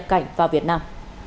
cảnh vào việt nam